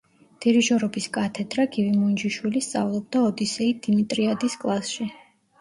დირიჟორობის კათედრა, გივი მუნჯიშვილი სწავლობდა ოდისეი დიმიტრიადის კლასში.